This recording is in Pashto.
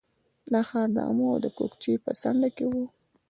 دا ښار د امو او کوکچې په څنډه کې و